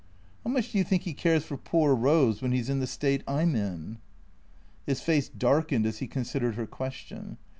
" How much do you think he cares for poor Eose when he 's in the state I 'm in ?" His face darkened as he considered her question.